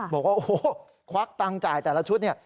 บอกว่าโอ้โหควักตังค์จ่ายแต่ละชุดเนี่ย